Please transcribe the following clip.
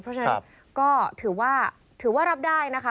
เพราะฉะนั้นก็ถือว่ารับได้นะคะ